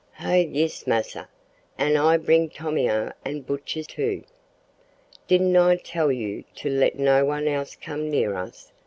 "Ho, yis, massa, an' I bring Tomeo and Buttchee too." "Didn't I tell you to let no one else come near us?"